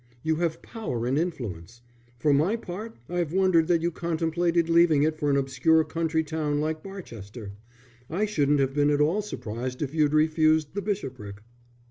"You have power and influence. For my part I have wondered that you contemplated leaving it for an obscure country town like Barchester. I shouldn't have been at all surprised if you'd refused the bishopric."